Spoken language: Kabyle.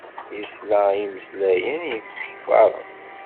Yesla i yimeslayen yessekfaṛen.